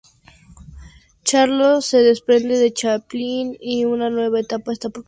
Charlot se desprende de Chaplin y una nueva etapa está por comenzar.